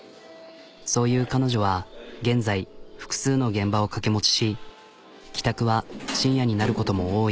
そう言う彼女は現在複数の現場を掛け持ちし帰宅は深夜になることも多い。